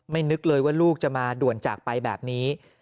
นึกเลยว่าลูกจะมาด่วนจากไปแบบนี้